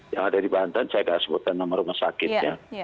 yang ada di banten saya tidak sebutkan nomor rumah sakitnya